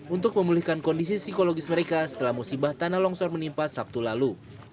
untuk memulihkan kondisi psikologis mereka setelah musibah tanah longsor menimpa sabtu lalu